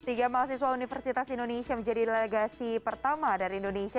tiga mahasiswa universitas indonesia menjadi legasi pertama dari indonesia